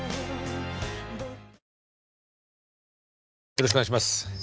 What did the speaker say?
よろしくお願いします。